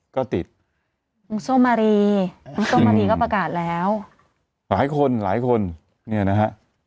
ก็ติดน้องส้มมารีน้องส้มมารีก็ประกาศแล้วหลายคนหลายคนเนี่ยนะฮะ